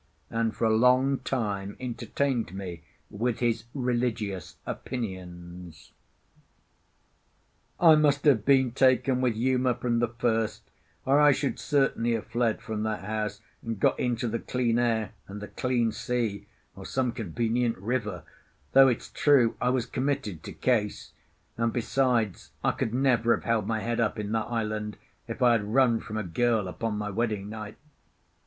and for a long time entertained me with his religious opinions. I must have been taken with Uma from the first, or I should certainly have fled from that house, and got into the clean air, and the clean sea, or some convenient river—though, it's true, I was committed to Case; and, besides, I could never have held my head up in that island if I had run from a girl upon my wedding night.